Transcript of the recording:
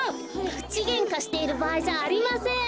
くちげんかしているばあいじゃありません。